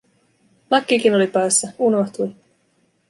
Lakkikin oli päässä, unohtui.